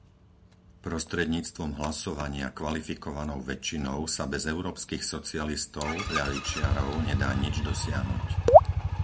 Prostredníctvom hlasovania kvalifikovanou väčšinou sa bez európskych socialistov, ľavičiarov, nedá nič dosiahnuť.